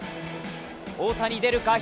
大谷、出るか？